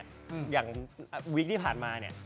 อย่างวีคที่ผ่านมาเนี่ย